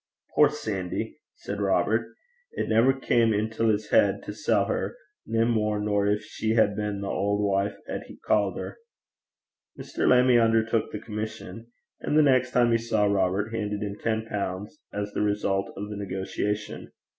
'Poor Sanny!' said Robert, 'it never cam' intil 's heid to sell her, nae mair nor gin she had been the auld wife 'at he ca'd her.' Mr. Lammie undertook the commission; and the next time he saw Robert, handed him ten pounds as the result of the negotiation.